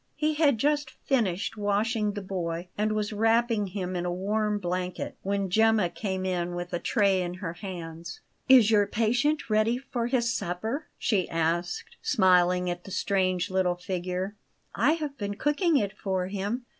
He had just finished washing the boy, and was wrapping him in a warm blanket, when Gemma came in with a tray in her hands. "Is your patient ready for his supper?" she asked, smiling at the strange little figure. "I have been cooking it for him."